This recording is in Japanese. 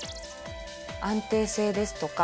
安定性ですとか